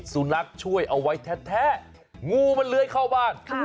สุนัขช่วยเอาไว้แท้งูมันเลื้อยเข้าบ้าน